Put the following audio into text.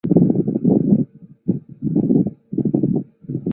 故事情节由旁白叙述。